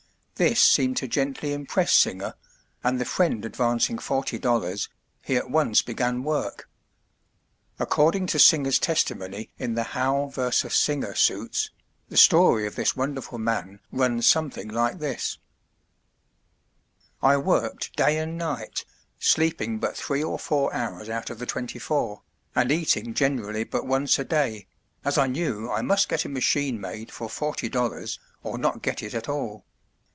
This seemed to gently impress Singer, and the friend advancing $40, he at once began work. According to Singer's testimony in the Howe vs. Singer suits, the story of this wonderful man runs something like this: "I worked day and night, sleeping but three or four hours out of the twenty four, and eating generally but once a day, as I knew I must get a machine made for forty dollars or not get it at all.